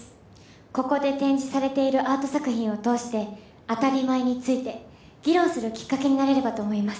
ここで展示されているアート作品を通して当たり前について議論するきっかけになれればと思います